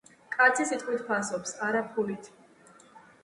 კაცი სიტყვით ფასობს, არა ფულით.